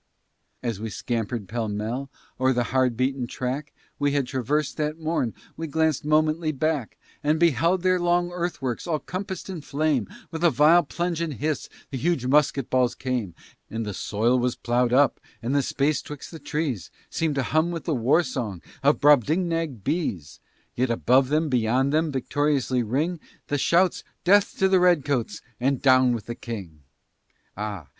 As we scampered pell mell o'er the hard beaten track We had traversed that morn, we glanced momently back, And beheld their long earth works all compassed in flame: With a vile plunge and hiss the huge musket balls came, And the soil was ploughed up, and the space 'twixt the trees Seemed to hum with the war song of Brobdingnag bees; Yet above them, beyond them, victoriously ring The shouts, "Death to the Redcoats, and down with the King!" Ah!